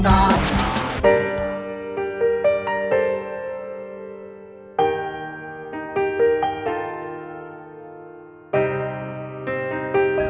คือร้องได้